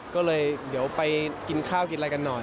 ก็เลยเดี๋ยวไปกินข้าวกินอะไรกันหน่อย